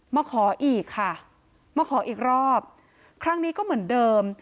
มาขออีกค่ะมาขออีกรอบครั้งนี้ก็เหมือนเดิม